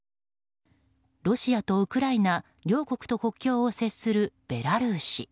ロシアとウクライナ両国と国境を接するベラルーシ。